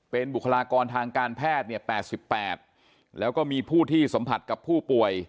เป็นบุคลากรทางการแพทย์๘๘แล้วก็มีผู้ที่สัมผัสกับผู้ป่วย